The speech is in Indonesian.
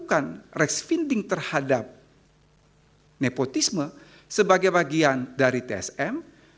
dan reksfinding terhadap nepotisme sebagai bagian dari tsm